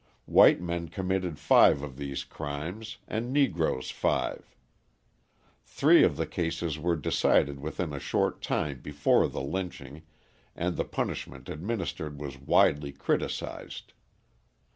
White men committed five of these crimes and Negroes five. Three of the cases were decided within a short time before the lynching and the punishment administered was widely criticised.